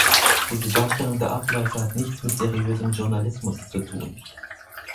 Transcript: Diese Darstellung der Abläufe hat nichts mit seriösem Journalismus zu tun.